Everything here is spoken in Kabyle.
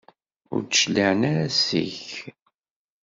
Ur d-cliɛen ara seg-k.